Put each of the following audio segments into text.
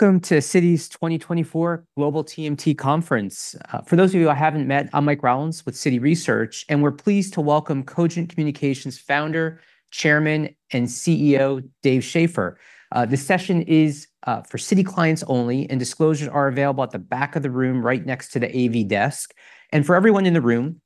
Welcome to Citi's 2024 Global TMT Conference. For those of you I haven't met, I'm Mike Rollins with Citi Research, and we're pleased to welcome Cogent Communications Founder, Chairman, and CEO, Dave Schaeffer. This session is for Citi clients only, and disclosures are available at the back of the room, right next to the AV desk. For everyone in the room,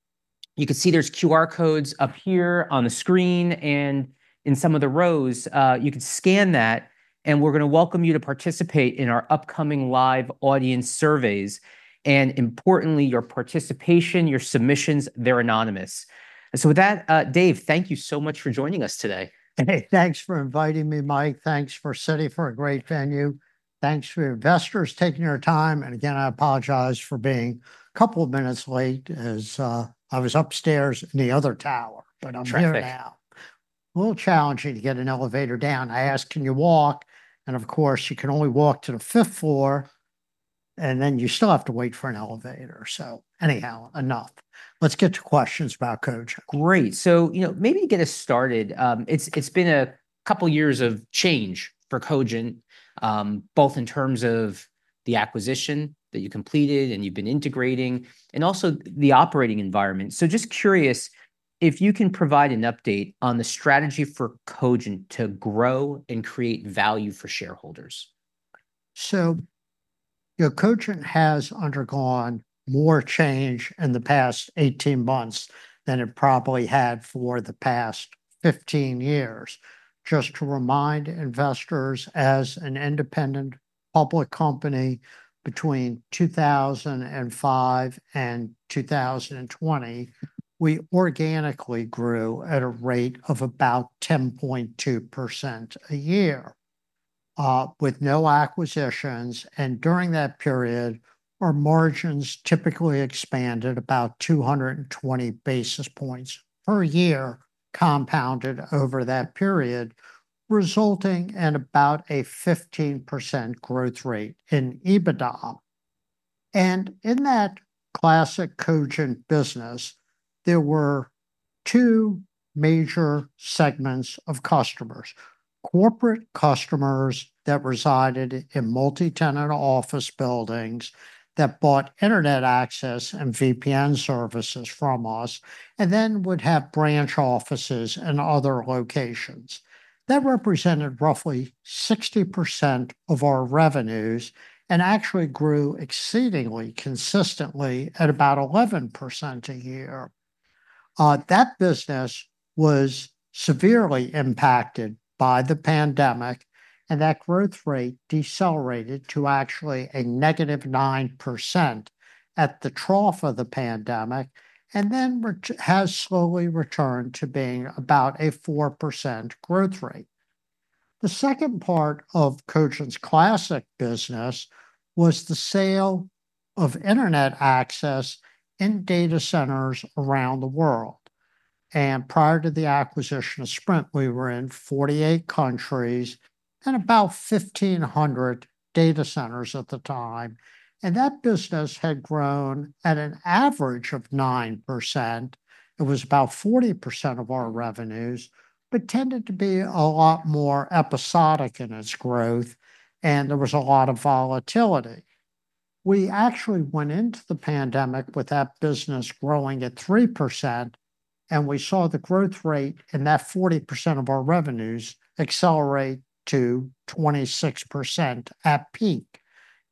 you can see there's QR codes up here on the screen and in some of the rows. You can scan that, and we're gonna welcome you to participate in our upcoming live audience surveys, and importantly, your participation, your submissions, they're anonymous. So with that, Dave, thank you so much for joining us today. Hey, thanks for inviting me, Mike. Thanks for Citi, for a great venue. Thanks for your investors taking their time, and again, I apologize for being a couple of minutes late, as, I was upstairs in the other tower, but I'm here now. Terriffic. A little challenging to get an elevator down. I asked, "Can you walk?" and of course, you can only walk to the fifth floor, and then you still have to wait for an elevator, so anyhow, enough, let's get to questions about Cogent. Great, so, you know, maybe to get us started, it's been a couple years of change for Cogent, both in terms of the acquisition that you completed and you've been integrating, and also the operating environment. So just curious if you can provide an update on the strategy for Cogent to grow and create value for shareholders. So you know, Cogent has undergone more change in the past 18 months than it probably had for the past 15 years. Just to remind investors, as an independent public company, between 2005 and 2020, we organically grew at a rate of about 10.2% a year, with no acquisitions, and during that period, our margins typically expanded about 220 basis points per year, compounded over that period, resulting in about a 15% growth rate in EBITDA. And in that classic Cogent business, there were two major segments of customers: corporate customers that resided in multi-tenant office buildings, that bought internet access and VPN services from us, and then would have branch offices and other locations. That represented roughly 60% of our revenues and actually grew exceedingly consistently at about 11% a year. That business was severely impacted by the pandemic, and that growth rate decelerated to actually a -9% at the trough of the pandemic, and then has slowly returned to being about a 4% growth rate. The second part of Cogent's classic business was the sale of internet access in data centers around the world, and prior to the acquisition of Sprint, we were in 48 countries and about 1,500 data centers at the time, and that business had grown at an average of 9%. It was about 40% of our revenues, but tended to be a lot more episodic in its growth, and there was a lot of volatility. We actually went into the pandemic with that business growing at 3%, and we saw the growth rate in that 40% of our revenues accelerate to 26% at peak.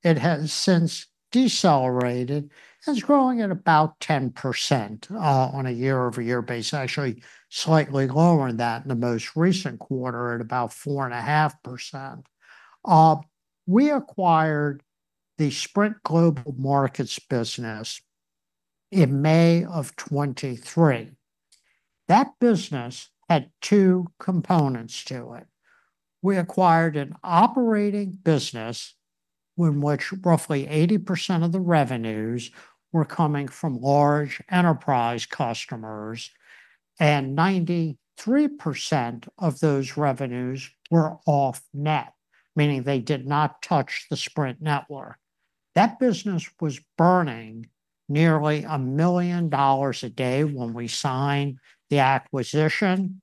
It has since decelerated and is growing at about 10%, on a year-over-year basis, actually slightly lower than that in the most recent quarter, at about 4.5%. We acquired the Sprint Global Markets business in May of 2023. That business had two components to it. We acquired an operating business, in which roughly 80% of the revenues were coming from large enterprise customers, and 93% of those revenues were off-net, meaning they did not touch the Sprint network. That business was burning nearly $1 million a day when we signed the acquisition.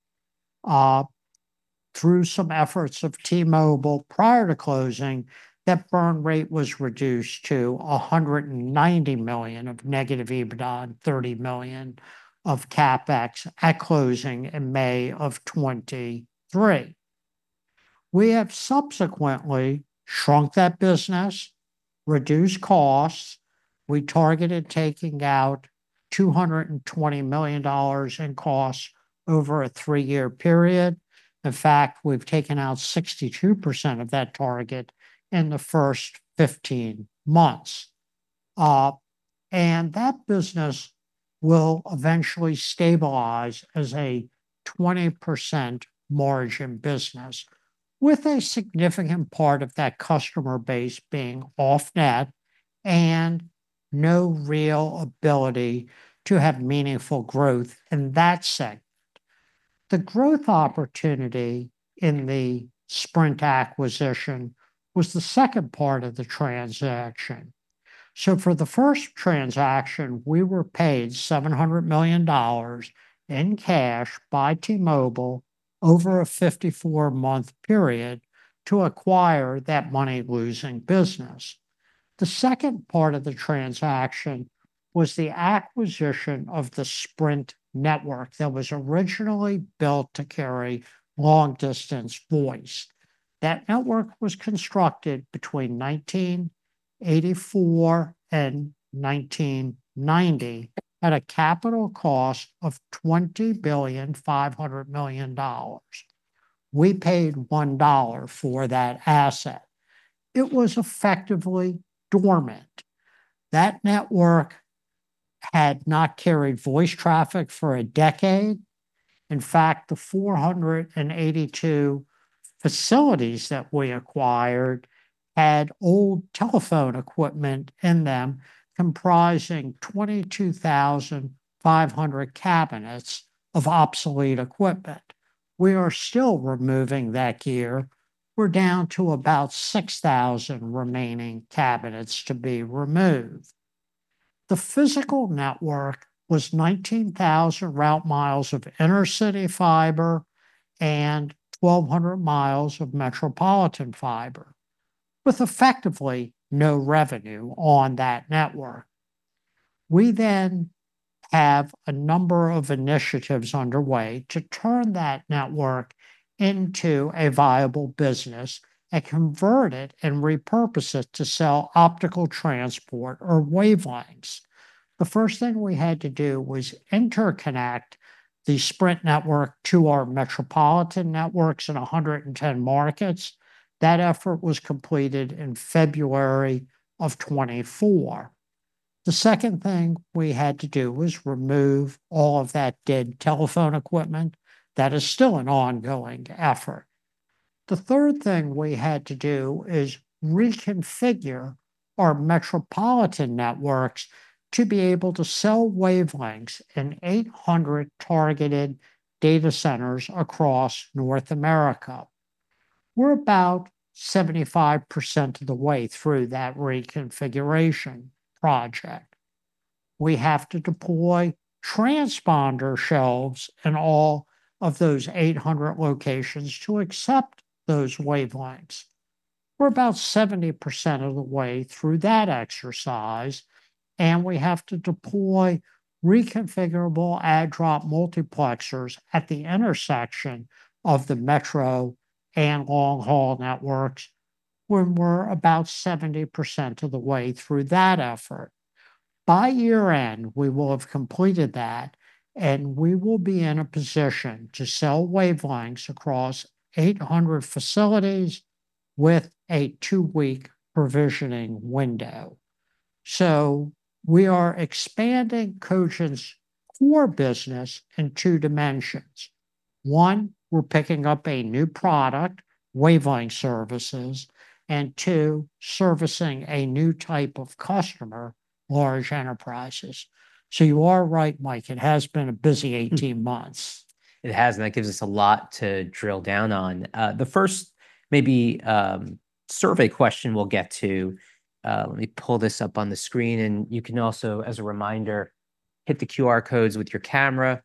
Through some efforts of T-Mobile prior to closing, that burn rate was reduced to $190 million of negative EBITDA and $30 million of CapEx at closing in May of 2023. We have subsequently shrunk that business, reduced costs. We targeted taking out $220 million in costs over a 3-year period. In fact, we've taken out 62% of that target in the first 15 months. And that business will eventually stabilize as a 20% margin business, with a significant part of that customer base being off-net and no real ability to have meaningful growth in that segment. The growth opportunity in the Sprint acquisition was the second part of the transaction. So for the first transaction, we were paid $700 million in cash by T-Mobile over a 54-month period to acquire that money-losing business. The second part of the transaction was the acquisition of the Sprint network that was originally built to carry long-distance voice. That network was constructed between 1984 and 1990 at a capital cost of $20.5 billion. We paid $1 for that asset. It was effectively dormant. That network had not carried voice traffic for a decade. In fact, the 482 facilities that we acquired had old telephone equipment in them, comprising 22,500 cabinets of obsolete equipment. We are still removing that gear. We're down to about 6,000 remaining cabinets to be removed. The physical network was 19,000 route mi of intercity fiber and 1,200 mi of metropolitan fiber, with effectively no revenue on that network. We then have a number of initiatives underway to turn that network into a viable business and convert it and repurpose it to sell optical transport or wavelengths. The first thing we had to do was interconnect the Sprint network to our metropolitan networks in 110 markets. That effort was completed in February of 2024. The second thing we had to do was remove all of that dead telephone equipment. That is still an ongoing effort. The third thing we had to do is reconfigure our metropolitan networks to be able to sell wavelengths in 800 targeted data centers across North America. We're about 75% of the way through that reconfiguration project. We have to deploy transponder shelves in all of those 800 locations to accept those wavelengths. We're about 70% of the way through that exercise, and we have to deploy reconfigurable add-drop multiplexers at the intersection of the metro and long-haul networks, when we're about 70% of the way through that effort. By year-end, we will have completed that, and we will be in a position to sell wavelengths across 800 facilities with a two-week provisioning window, so we are expanding Cogent's core business in two dimensions. One, we're picking up a new product, wavelength services, and two, servicing a new type of customer, large enterprises, so you are right, Mike, it has been a busy 18 months. It has, and that gives us a lot to drill down on. The first maybe survey question we'll get to, let me pull this up on the screen, and you can also, as a reminder, hit the QR codes with your camera,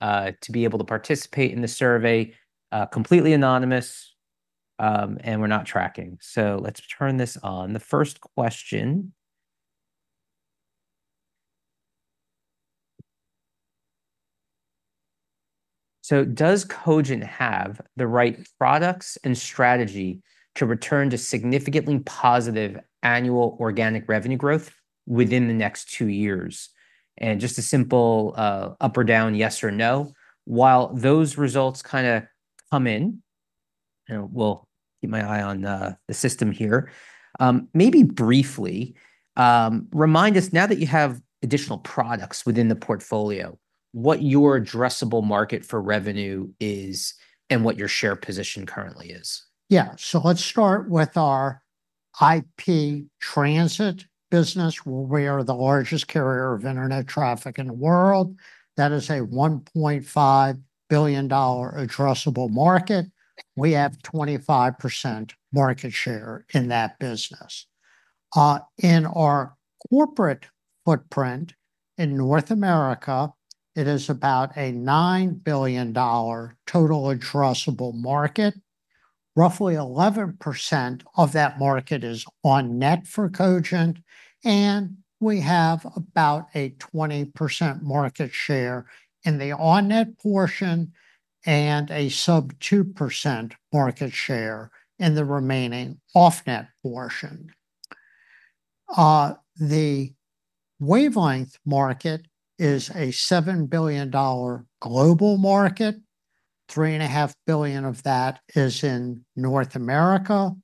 to be able to participate in the survey. Completely anonymous, and we're not tracking, so let's turn this on. The first question: So does Cogent have the right products and strategy to return to significantly positive annual organic revenue growth within the next two years? And just a simple, up or down, yes or no. While those results kind of come in, and we'll keep my eye on, the system here, maybe briefly remind us, now that you have additional products within the portfolio, what your addressable market for revenue is and what your share position currently is. Yeah. So let's start with our IP transit business, where we are the largest carrier of internet traffic in the world. That is a $1.5 billion addressable market. We have 25% market share in that business. In our corporate footprint in North America, it is about a $9 billion total addressable market. Roughly 11% of that market is on-net for Cogent, and we have about a 20% market share in the on-net portion and a sub-2% market share in the remaining off-net portion. The wavelength market is a $7 billion global market. $3.5 billion of that is in North America.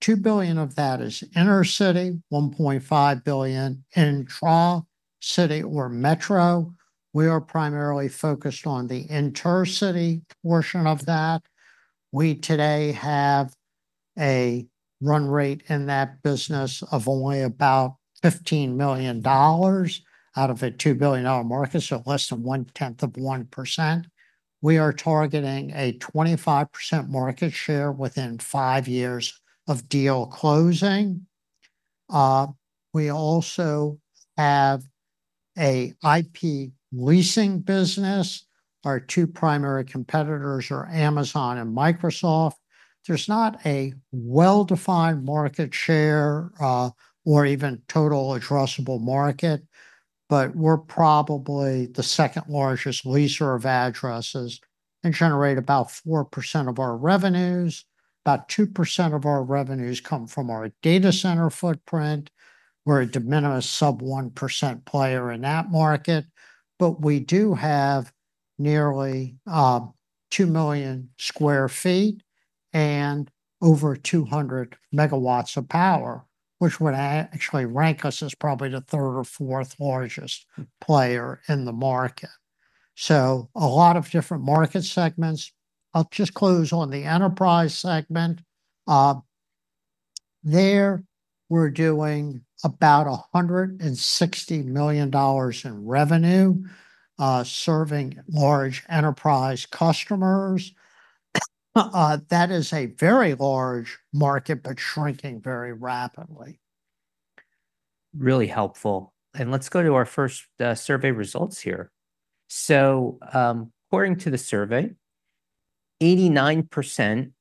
$2 billion of that is intercity, $1.5 billion in intracity or metro. We are primarily focused on the intercity portion of that. We today have a run rate in that business of only about $15 million out of a $2 billion market, so less than one-tenth of 1%. We are targeting a 25% market share within five years of deal closing. We also have an IP leasing business. Our two primary competitors are Amazon and Microsoft. There's not a well-defined market share or even total addressable market, but we're probably the second-largest leaser of addresses, and generate about 4% of our revenues. About 2% of our revenues come from our data center footprint. We're a de minimis sub-1% player in that market, but we do have nearly 2 million sq ft and over 200 MW of power, which would actually rank us as probably the third or fourth largest player in the market. So a lot of different market segments. I'll just close on the enterprise segment. There, we're doing about $160 million in revenue, serving large enterprise customers. That is a very large market, but shrinking very rapidly. Really helpful. And let's go to our first, survey results here. So, according to the survey, 89%,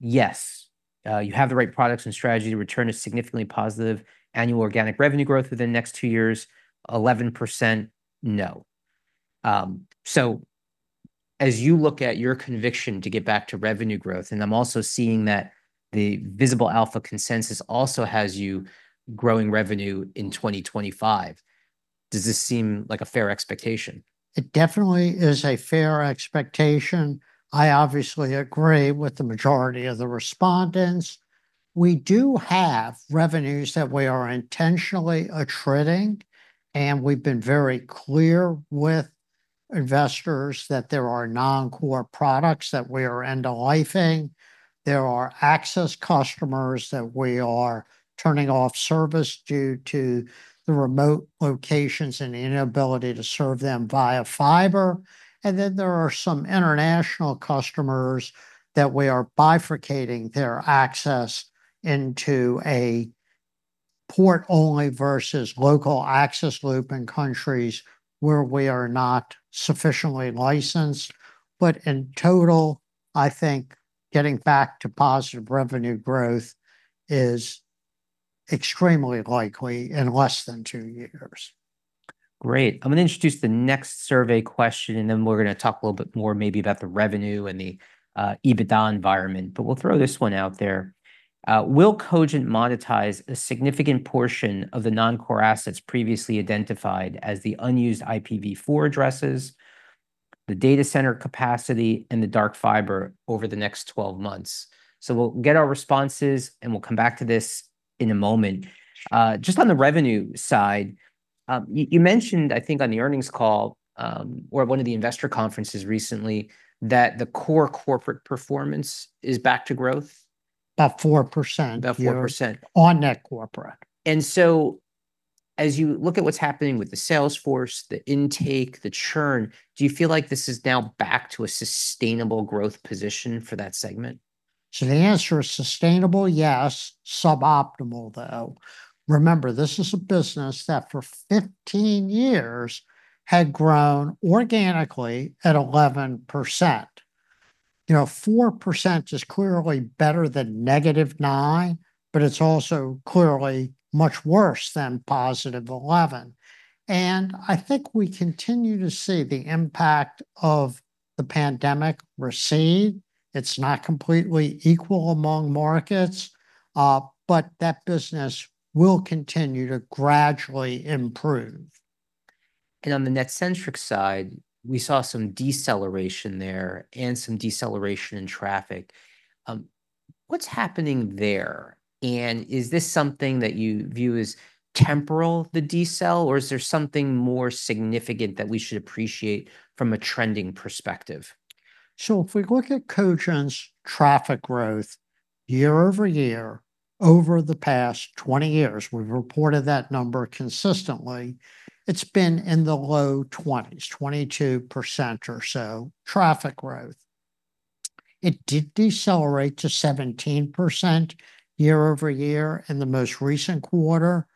yes, you have the right products and strategy to return a significantly positive annual organic revenue growth within the next two years. 11%, no. So as you look at your conviction to get back to revenue growth, and I'm also seeing that the Visible Alpha consensus also has you growing revenue in 2025, does this seem like a fair expectation? It definitely is a fair expectation. I obviously agree with the majority of the respondents. We do have revenues that we are intentionally attriting, and we've been very clear with investors that there are non-core products that we are end-of-lifing. There are access customers that we are turning off service due to the remote locations and the inability to serve them via fiber, and then there are some international customers that we are bifurcating their access into a port-only versus local access loop in countries where we are not sufficiently licensed. But in total, I think getting back to positive revenue growth is extremely likely in less than two years. Great. I'm gonna introduce the next survey question, and then we're gonna talk a little bit more maybe about the revenue and the EBITDA environment, but we'll throw this one out there. Will Cogent monetize a significant portion of the non-core assets previously identified as the unused IPv4 addresses, the data center capacity, and the dark fiber over the next 12 months? So we'll get our responses, and we'll come back to this in a moment. Just on the revenue side, you mentioned, I think, on the earnings call or one of the investor conferences recently, that the core corporate performance is back to growth. About 4%. About 4%. On-net corporate. And so as you look at what's happening with the sales force, the intake, the churn, do you feel like this is now back to a sustainable growth position for that segment? So the answer is sustainable, yes. Suboptimal, though. Remember, this is a business that, for 15 years, had grown organically at 11%. You know, 4% is clearly better than -9%, but it's also clearly much worse than +11%, and I think we continue to see the impact of the pandemic recede. It's not completely equal among markets, but that business will continue to gradually improve. And on the NetCentric side, we saw some deceleration there and some deceleration in traffic. What's happening there, and is this something that you view as temporal, the decel, or is there something more significant that we should appreciate from a trending perspective? So if we look at Cogent's traffic growth year over year, over the past 20 years, we've reported that number consistently. It's been in the low 20%, 22% or so traffic growth. It did decelerate to 17% year over year in the most recent quarter.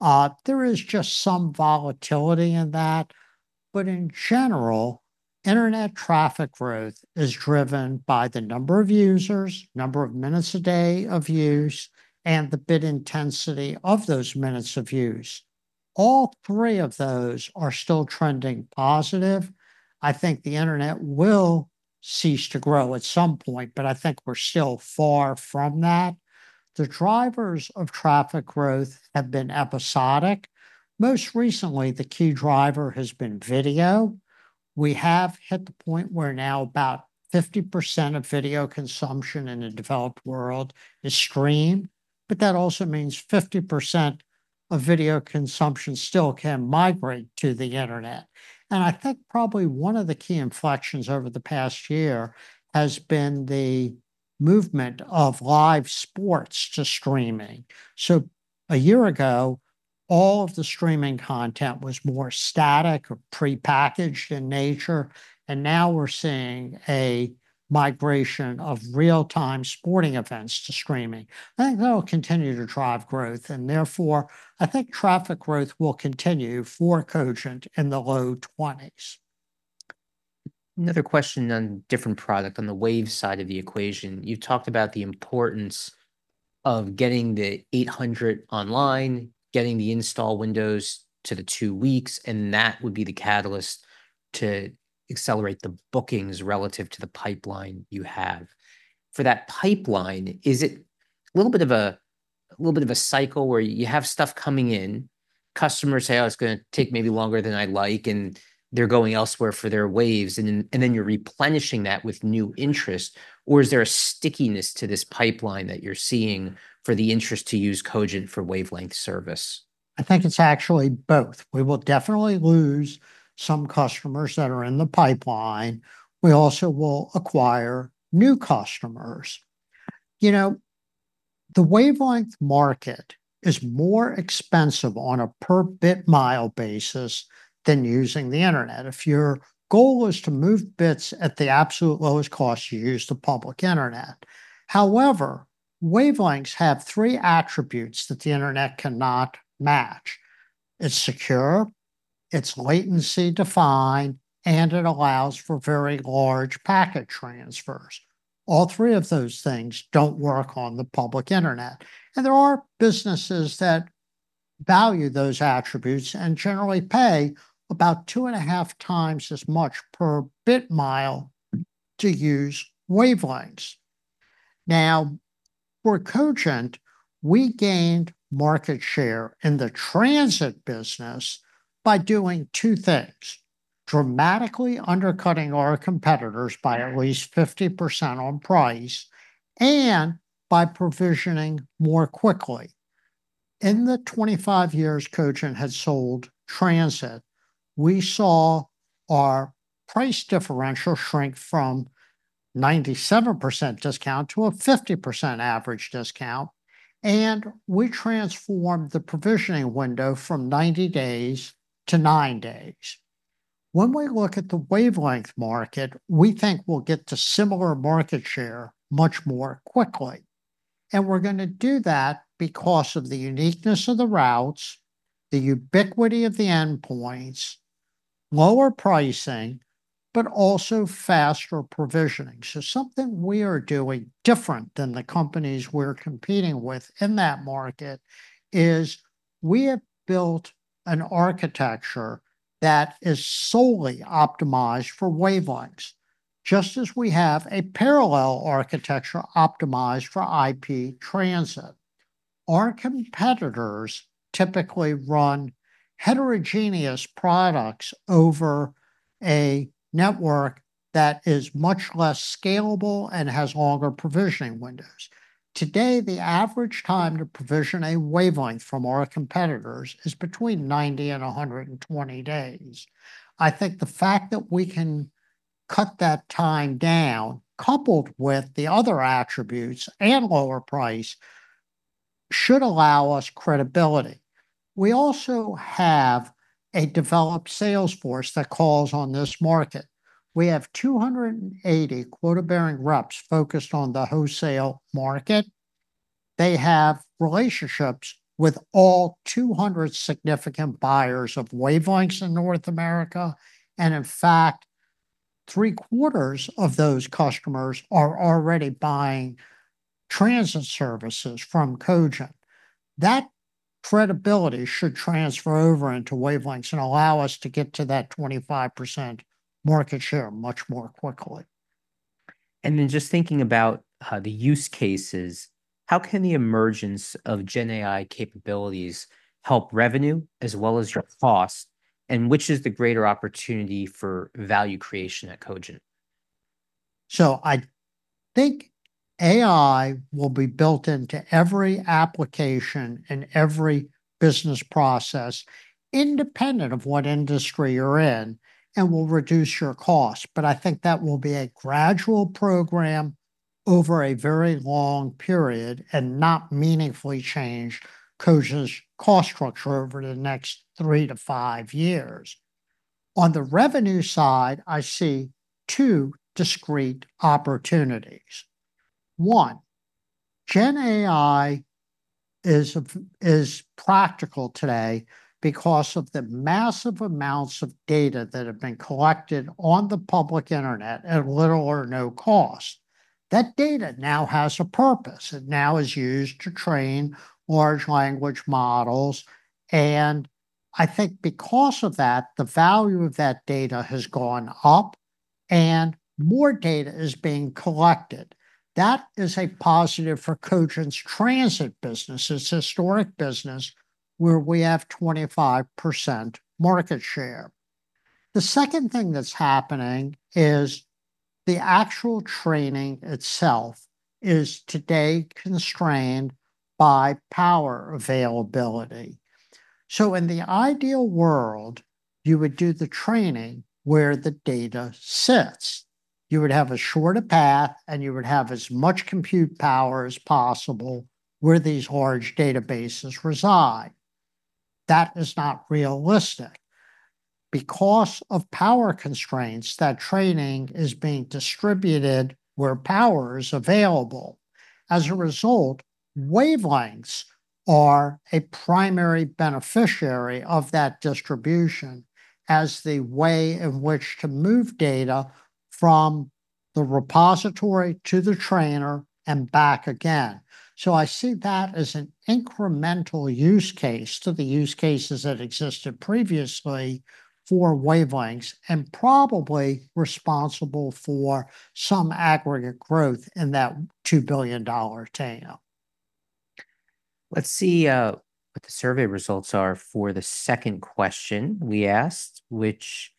There is just some volatility in that, but in general, internet traffic growth is driven by the number of users, number of minutes a day of use, and the bit intensity of those minutes of use. All three of those are still trending positive. I think the internet will cease to grow at some point, but I think we're still far from that. The drivers of traffic growth have been episodic. Most recently, the key driver has been video. We have hit the point where now about 50% of video consumption in the developed world is streamed, but that also means 50% of video consumption still can migrate to the internet, and I think probably one of the key inflections over the past year has been the movement of live sports to streaming. So, a year ago, all of the streaming content was more static or prepackaged in nature, and now we're seeing a migration of real-time sporting events to streaming. I think that'll continue to drive growth, and therefore, I think traffic growth will continue for Cogent in the low 20s%. Another question on different product, on the waves side of the equation. You talked about the importance of getting the 800 online, getting the install windows to the two weeks, and that would be the catalyst to accelerate the bookings relative to the pipeline you have. For that pipeline, is it a little bit of a cycle where you have stuff coming in, customers say, "Oh, it's gonna take maybe longer than I'd like," and they're going elsewhere for their waves, and then you're replenishing that with new interest? Or is there a stickiness to this pipeline that you're seeing for the interest to use Cogent for wavelength service? I think it's actually both. We will definitely lose some customers that are in the pipeline. We also will acquire new customers. You know, the wavelength market is more expensive on a per bit mile basis than using the internet. If your goal is to move bits at the absolute lowest cost, you use the public internet. However, wavelengths have three attributes that the internet cannot match: it's secure, it's latency-defined, and it allows for very large packet transfers. All three of those things don't work on the public internet, and there are businesses that value those attributes and generally pay about 2.5x as much per bit mile to use wavelengths. Now, for Cogent, we gained market share in the transit business by doing two things: dramatically undercutting our competitors by at least 50% on price, and by provisioning more quickly. In the 25 years Cogent has sold transit, we saw our price differential shrink from 97% discount to a 50% average discount, and we transformed the provisioning window from 90 days to 9 days. When we look at the wavelength market, we think we'll get to similar market share much more quickly, and we're gonna do that because of the uniqueness of the routes, the ubiquity of the endpoints, lower pricing, but also faster provisioning. So something we are doing different than the companies we're competing with in that market is we have built an architecture that is solely optimized for wavelengths, just as we have a parallel architecture optimized for IP transit. Our competitors typically run heterogeneous products over a network that is much less scalable and has longer provisioning windows. Today, the average time to provision a wavelength from our competitors is between 90 and 120 days. I think the fact that we can cut that time down, coupled with the other attributes and lower price, should allow us credibility. We also have a developed sales force that calls on this market. We have 280 quota-bearing reps focused on the wholesale market. They have relationships with all 200 significant buyers of wavelengths in North America, and in fact, three-quarters of those customers are already buying transit services from Cogent. That credibility should transfer over into wavelengths and allow us to get to that 25% market share much more quickly. Just thinking about the use cases, how can the emergence of GenAI capabilities help revenue as well as your cost, and which is the greater opportunity for value creation at Cogent? So I think AI will be built into every application and every business process, independent of what industry you're in, and will reduce your cost. But I think that will be a gradual program over a very long period and not meaningfully change Cogent's cost structure over the next three to five years. On the revenue side, I see two discrete opportunities. One, GenAI is practical today because of the massive amounts of data that have been collected on the public internet at little or no cost. That data now has a purpose. It now is used to train large language models, and I think because of that, the value of that data has gone up, and more data is being collected. That is a positive for Cogent's transit business, its historic business, where we have 25% market share. The second thing that's happening is the actual training itself is today constrained by power availability. So in the ideal world, you would do the training where the data sits. You would have a shorter path, and you would have as much compute power as possible where these large databases reside. That is not realistic. Because of power constraints, that training is being distributed where power is available. As a result, wavelengths are a primary beneficiary of that distribution as the way in which to move data from the repository to the trainer and back again. So I see that as an incremental use case to the use cases that existed previously for wavelengths, and probably responsible for some aggregate growth in that $2 billion TAM. Let's see, what the survey results are for the second question we asked, which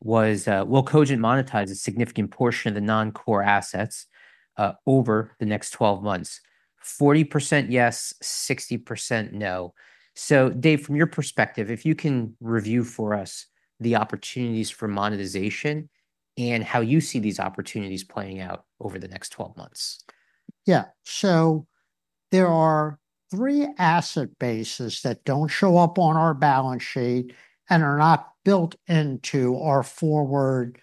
was: Will Cogent monetize a significant portion of the non-core assets, over the next 12 months? 40%, yes, 60% no. So Dave, from your perspective, if you can review for us the opportunities for monetization and how you see these opportunities playing out over the next 12 months. Yeah. So there are three asset bases that don't show up on our balance sheet and are not built into our forward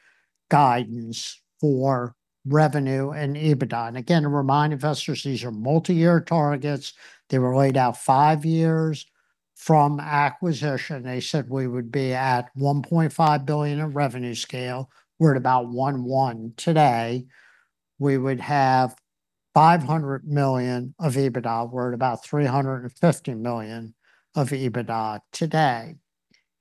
guidance for revenue and EBITDA. And again, to remind investors, these are multi-year targets. They were laid out five years from acquisition. They said we would be at $1.5 billion in revenue scale. We're at about $1.1 billion today. We would have $500 million of EBITDA. We're at about $350 million of EBITDA today,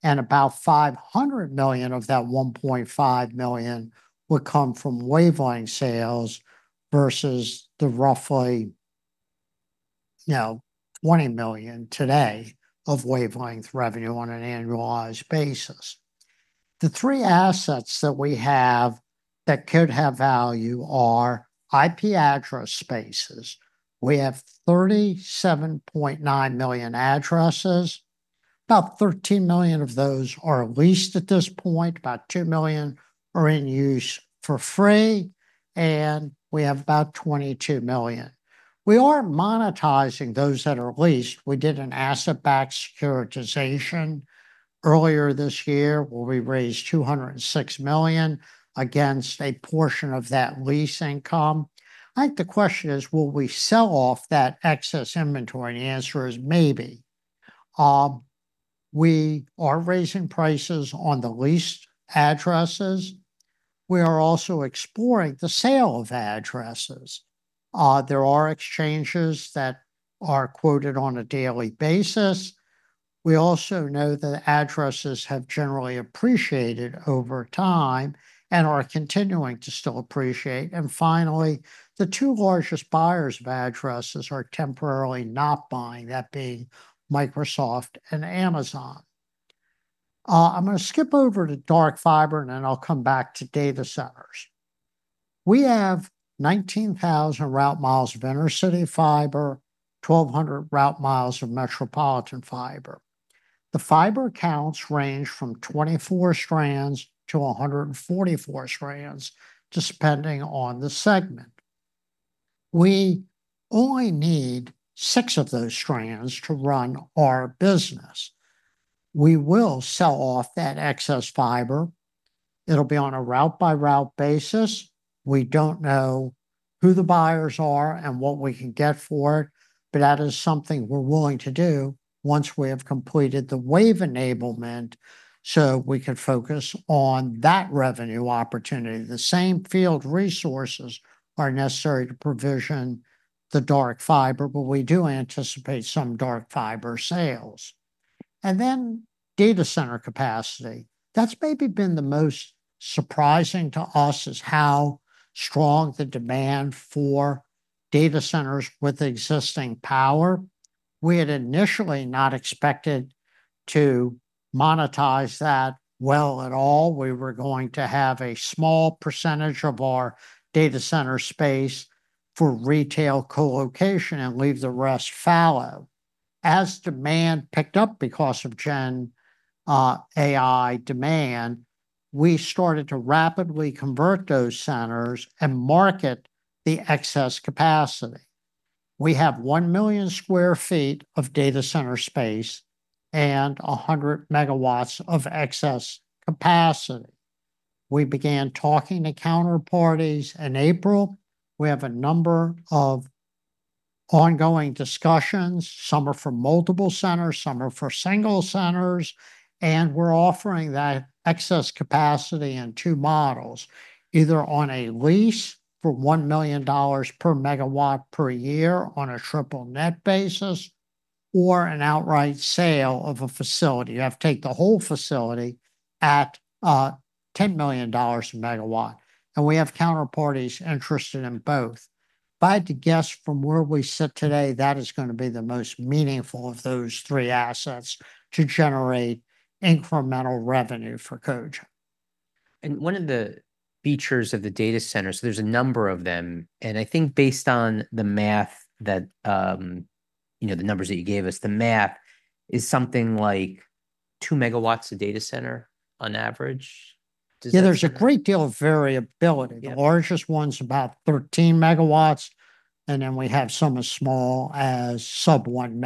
and about $500 million of that $1.5 billion would come from wavelength sales versus the roughly, you know, $20 million today of wavelength revenue on an annualized basis. The three assets that we have that could have value are IP address spaces. We have 37.9 million addresses. About 13 million of those are leased at this point, about 2 million are in use for free, and we have about 22 million. We are monetizing those that are leased. We did an asset-backed securitization earlier this year, where we raised $206 million against a portion of that lease income. I think the question is, will we sell off that excess inventory? And the answer is maybe. We are raising prices on the leased addresses. We are also exploring the sale of addresses. There are exchanges that are quoted on a daily basis. We also know that addresses have generally appreciated over time and are continuing to still appreciate. And finally, the two largest buyers of addresses are temporarily not buying, that being Microsoft and Amazon. I'm gonna skip over to dark fiber, and then I'll come back to data centers. We have 19,000 route mi of intercity fiber, twelve hundred route mi of metropolitan fiber. The fiber counts range from 24 strands to a hundred and 44 strands, just depending on the segment. We only need six of those strands to run our business. We will sell off that excess fiber. It'll be on a route-by-route basis. We don't know who the buyers are and what we can get for it, but that is something we're willing to do once we have completed the wave enablement, so we can focus on that revenue opportunity. The same field resources are necessary to provision the dark fiber, but we do anticipate some dark fiber sales. And then data center capacity. That's maybe been the most surprising to us, is how strong the demand for data centers with existing power. We had initially not expected to monetize that well at all. We were going to have a small percentage of our data center space for retail colocation and leave the rest fallow. As demand picked up because of GenAI demand, we started to rapidly convert those centers and market the excess capacity. We have 1 million sq ft of data center space and 100 MW of excess capacity. We began talking to counterparties in April. We have a number of ongoing discussions. Some are for multiple centers, some are for single centers, and we're offering that excess capacity in two models: either on a lease for $1 million per MW per year on a triple net basis, or an outright sale of a facility. You have to take the whole facility at $10 million a MW, and we have counterparties interested in both. If I had to guess from where we sit today, that is gonna be the most meaningful of those three assets to generate incremental revenue for Cogent. One of the features of the data centers, there's a number of them, and I think based on the math that, you know, the numbers that you gave us, the math is something like 2 MW a data center on average. Does that- Yeah, there's a great deal of variability. Yeah. The largest one's about 13 MW, and then we have some as small as sub 1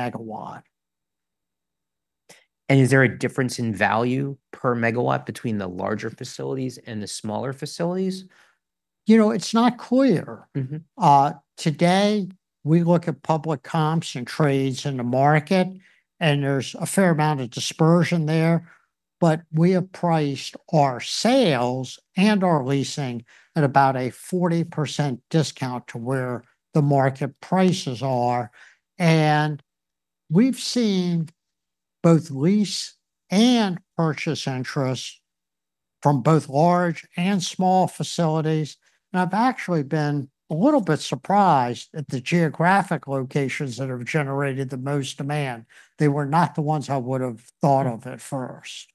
MW. Is there a difference in value per megawatt between the larger facilities and the smaller facilities? You know, it's not clear. Today, we look at public comps and trades in the market, and there's a fair amount of dispersion there, but we have priced our sales and our leasing at about a 40% discount to where the market prices are. We've seen both lease and purchase interest from both large and small facilities, and I've actually been a little bit surprised at the geographic locations that have generated the most demand. They were not the ones I would've thought of at first.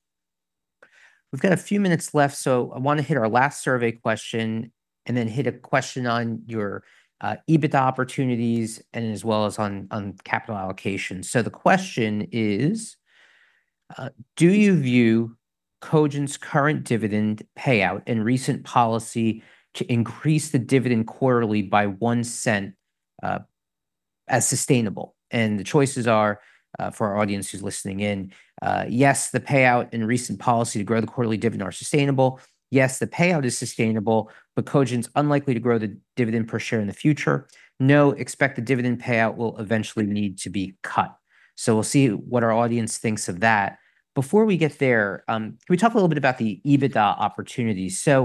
We've got a few minutes left, so I wanna hit our last survey question, and then hit a question on your EBITDA opportunities, and as well as on capital allocation. So the question is, do you view Cogent's current dividend payout and recent policy to increase the dividend quarterly by $0.01, as sustainable? And the choices are, for our audience who's listening in, yes, the payout and recent policy to grow the quarterly dividend are sustainable. Yes, the payout is sustainable, but Cogent's unlikely to grow the dividend per share in the future. No, expect the dividend payout will eventually need to be cut. So we'll see what our audience thinks of that. Before we get there, can we talk a little bit about the EBITDA opportunities? If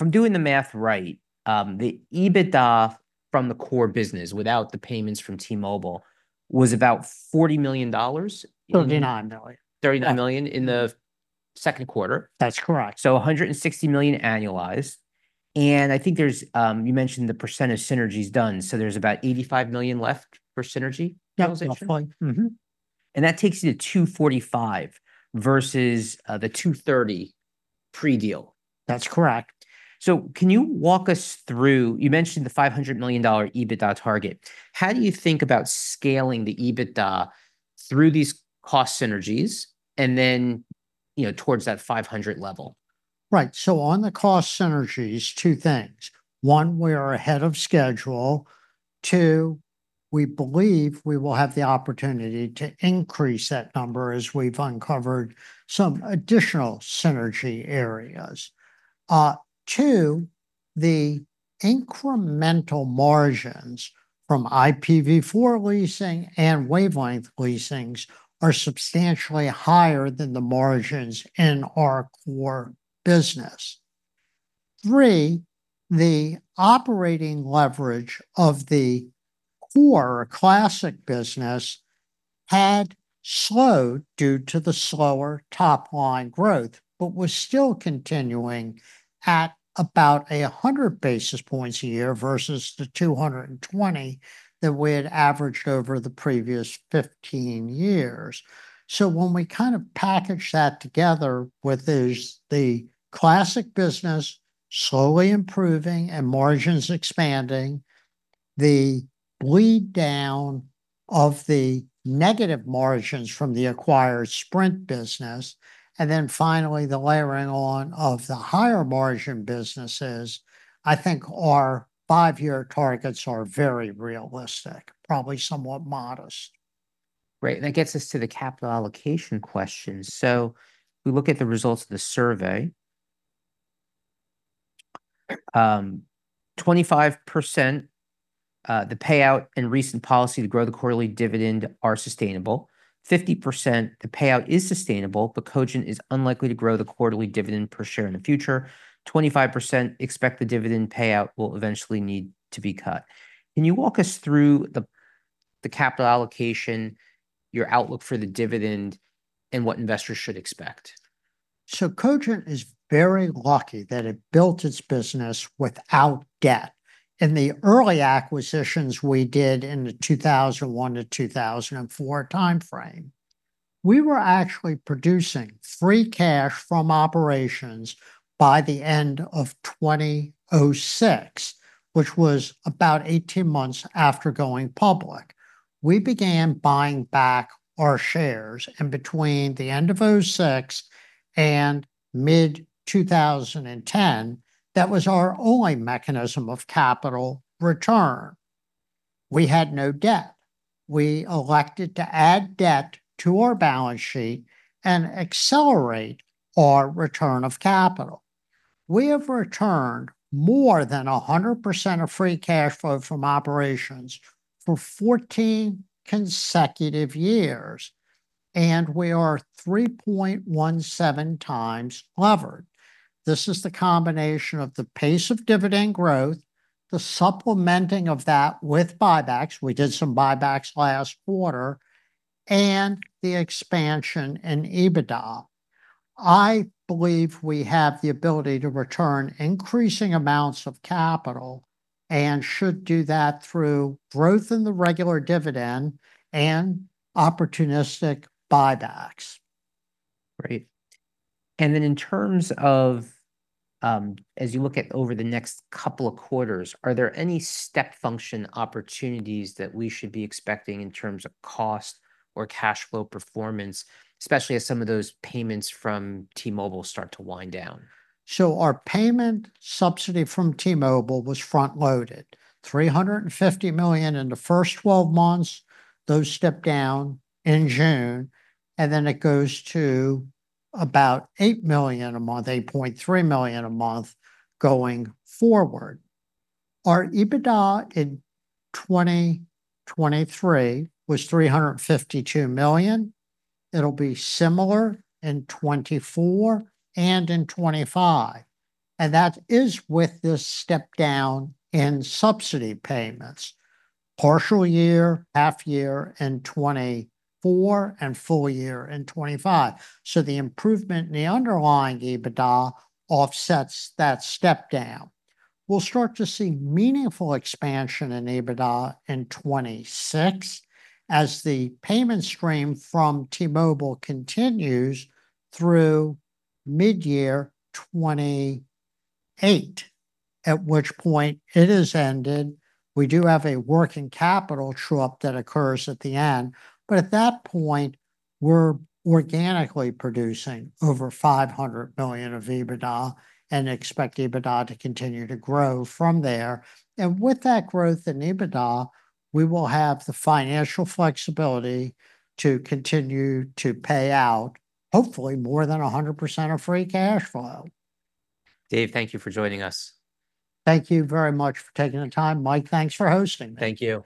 I'm doing the math right, the EBITDA from the core business, without the payments from T-Mobile, was about $40 million in- $39 million. $39 million- Yeah in the second quarter? That's correct. So $160 million annualized, and I think there's you mentioned the percentage synergies done, so there's about $85 million left for synergy realization. That's fine. And that takes you to 245 versus the 230 pre-deal. That's correct. So can you walk us through? You mentioned the $500 million EBITDA target. How do you think about scaling the EBITDA through these cost synergies, and then, you know, towards that $500 million level? Right, so on the cost synergies, two things: one, we are ahead of schedule. Two, we believe we will have the opportunity to increase that number, as we've uncovered some additional synergy areas. Two, the incremental margins from IPv4 leasing and wavelength leasings are substantially higher than the margins in our core business. Three, the operating leverage of the core classic business had slowed due to the slower top-line growth but was still continuing at about 100 basis points a year versus the 220 basis points that we had averaged over the previous 15 years. So when we kind of package that together with those, the classic business slowly improving and margins expanding, the bleed down of the negative margins from the acquired Sprint business, and then finally, the layering on of the higher-margin businesses, I think our five-year targets are very realistic, probably somewhat modest. Great, and that gets us to the capital allocation question. So we look at the results of the survey. 25%, the payout and recent policy to grow the quarterly dividend are sustainable. 50%, the payout is sustainable, but Cogent is unlikely to grow the quarterly dividend per share in the future. 25% expect the dividend payout will eventually need to be cut. Can you walk us through the capital allocation, your outlook for the dividend, and what investors should expect? Cogent is very lucky that it built its business without debt. In the early acquisitions we did in the 2001-2004 timeframe, we were actually producing free cash from operations by the end of 2006, which was about 18 months after going public. We began buying back our shares, and between the end of 2006 and mid-2010, that was our only mechanism of capital return. We had no debt. We elected to add debt to our balance sheet and accelerate our return of capital. We have returned more than 100% of free cash flow from operations for 14 consecutive years, and we are 3.17x levered. This is the combination of the pace of dividend growth, the supplementing of that with buybacks, we did some buybacks last quarter, and the expansion in EBITDA. I believe we have the ability to return increasing amounts of capital and should do that through growth in the regular dividend and opportunistic buybacks. Great. And then in terms of, as you look at over the next couple of quarters, are there any step function opportunities that we should be expecting in terms of cost or cash flow performance, especially as some of those payments from T-Mobile start to wind down? Our payment subsidy from T-Mobile was front-loaded, $350 million in the first 12 months. Those step down in June, and then it goes to about $8 million a month, $8.3 million a month, going forward. Our EBITDA in 2023 was $352 million. It'll be similar in 2024 and in 2025, and that is with this step-down in subsidy payments, partial year, half year in 2024, and full year in 2025. The improvement in the underlying EBITDA offsets that step down. We'll start to see meaningful expansion in EBITDA in 2026 as the payment stream from T-Mobile continues through mid-year 2028, at which point it is ended. We do have a working capital true-up that occurs at the end, but at that point, we're organically producing over $500 million of EBITDA and expect EBITDA to continue to grow from there. With that growth in EBITDA, we will have the financial flexibility to continue to pay out hopefully more than 100% of free cash flow. Dave, thank you for joining us. Thank you very much for taking the time. Mike, thanks for hosting me. Thank you.